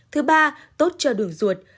thứ ba tốt cho đường ruột